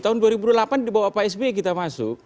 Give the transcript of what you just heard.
tahun dua ribu delapan dibawa pak sby kita masuk